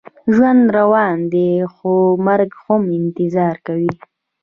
ژوند روان دی، خو مرګ هم انتظار کوي.